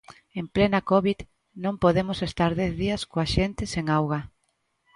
En plena covid non podemos estar dez días coa xente sen auga.